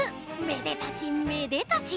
めでたしめでたし！